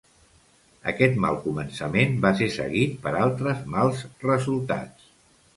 Aquest mal començament va ser seguit per altres mals resultats.